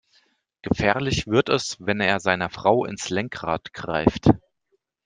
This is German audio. Gefährlich wird es, wenn er seiner Frau ins Lenkrad greift.